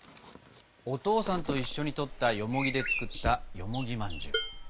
お父さんと一緒に採ったよもぎで作ったよもぎまんじゅう。